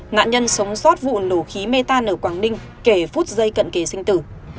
nạn nhân sống sót vụ nổ khí mê tan ở quảng ninh kể phút giây cận kề sinh tử